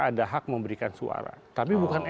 ada hak memberikan suara tapi bukan